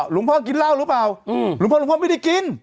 หลวงพ่อกินเหล้าหรือเปล่าหลวงพ่อหลวงพ่อไม่ได้กิน